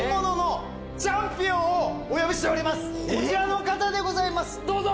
こちらの方でございますどうぞ！